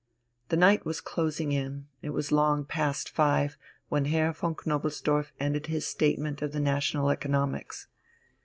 The night was closing in, it was long past five, when Herr von Knobelsdorff ended his statement of the national economics.